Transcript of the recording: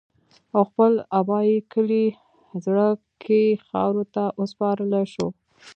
او خپل ابائي کلي زَړَه کښې خاورو ته اوسپارلے شو